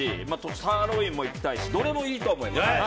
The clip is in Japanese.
サーロインもいきたいしどれもいいと思います。